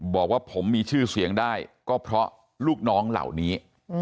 บอกว่าผมมีชื่อเสียงได้ก็เพราะลูกน้องเหล่านี้